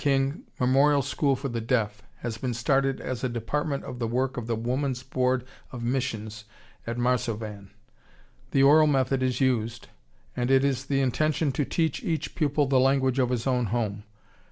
King Memorial School for the Deaf has been started as a department of the work of the Woman's Board of Missions at Marsovan. The oral method is used, and it is the intention to teach each pupil the language of his own home.